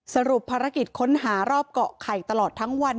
สรุปภารกิจค้นหารอบเกาะไข่ตลอดทั้งวัน